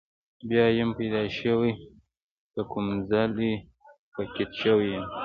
بیا یم پیدا شوی که کوم ځلې فقید شوی یم.